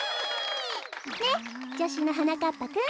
ねっじょしゅのはなかっぱくん。